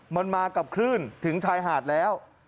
มันมากับคลื่นถึงชายหาดแล้ว